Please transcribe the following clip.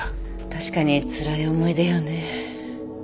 確かにつらい思い出よね。